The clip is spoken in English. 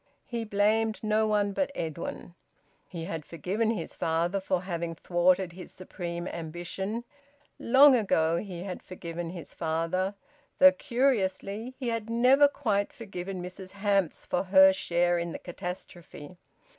He blamed no one but Edwin. He had forgiven his father for having thwarted his supreme ambition; long ago he had forgiven his father; though, curiously, he had never quite forgiven Mrs Hamps for her share in the catastrophe.